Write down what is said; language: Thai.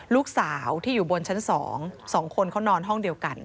ลูกสาวที่อยู่บนชั้น๒๒คนเขานอนห้องเดียวกัน